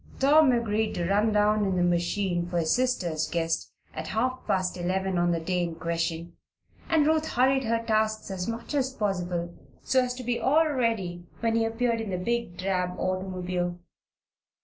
Tom agreed to run down in the machine for his sister's guest at half past eleven on the day in question, and Ruth hurried her tasks as much as possible so as to be all ready when he appeared in the big drab automobile.